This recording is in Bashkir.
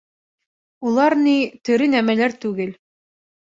— Улар ни... тере нәмәләр түгел.